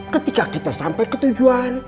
ketika kita sampai ke tujuan